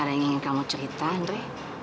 ada yang ingin kamu ceritakan andre